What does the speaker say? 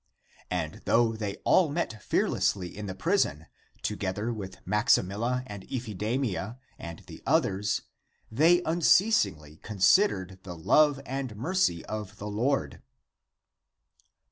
And though they all met fearlessly in the prison to gether with Maximilla and Iphidamia and the others, they unceasingly considered the love and mercy of the Lord.